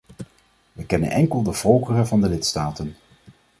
We kennen enkel de volkeren van de lidstaten.